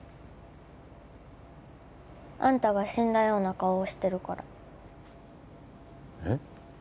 あんたが死んだような顔をしてるからえっ？